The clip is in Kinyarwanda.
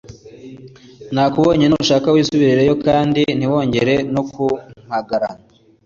nakubonye nushake wisubirireyo kandi ntiwongere no kumpagara